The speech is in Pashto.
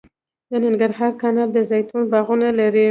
د ننګرهار کانال د زیتون باغونه لري